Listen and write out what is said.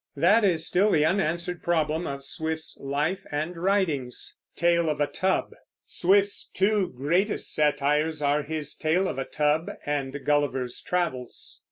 That is still the unanswered problem of Swift's life and writings. Swift's two greatest satires are his Tale of a Tub and Gulliver's Travels.